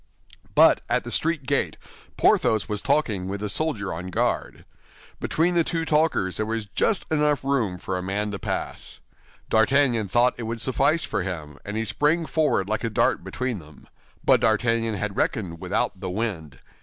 But at the street gate, Porthos was talking with the soldier on guard. Between the two talkers there was just enough room for a man to pass. D'Artagnan thought it would suffice for him, and he sprang forward like a dart between them. But D'Artagnan had reckoned without the wind.